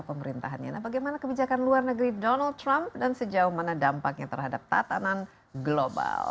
pemerintahannya nah bagaimana kebijakan luar negeri donald trump dan sejauh mana dampaknya terhadap tatanan global